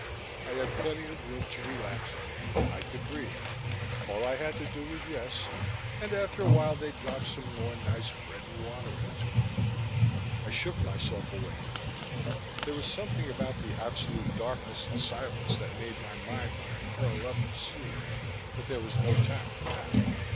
I had plenty of room to relax in, I could breathe. All I had to do was rest, and after a while they'd drop some more nice bread and water in to me.... I shook myself awake. There was something about the absolute darkness and silence that made my mind want to curl up and sleep, but there was no time for that.